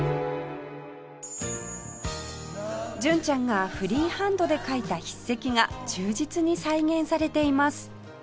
純ちゃんがフリーハンドで描いた筆跡が忠実に再現されています